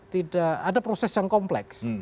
tidak ada proses yang kompleks